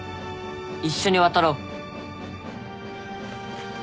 一緒に渡ろう。